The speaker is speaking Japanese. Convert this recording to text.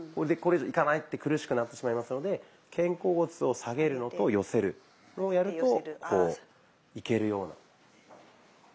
これ以上いかないって苦しくなってしまいますので肩甲骨を下げるのと寄せるこれをやるとこういけるような。